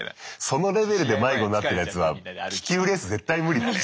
そのレベルで迷子になってるやつは気球レース絶対無理だね。